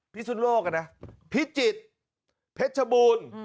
พิษสุนโลกอ่ะนะพิจิตพิชบูรณ์